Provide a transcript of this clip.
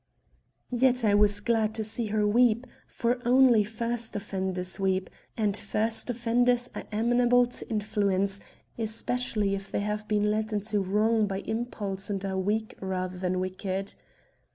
Yet I was glad to see her weep, for only first offenders weep, and first offenders are amenable to influence, especially if they have been led into wrong by impulse and are weak rather than wicked.